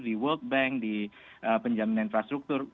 di world bank di penjaminan infrastruktur